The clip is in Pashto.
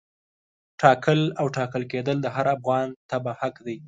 ټاکل او ټاکل کېدل د هر افغان تبعه حق دی.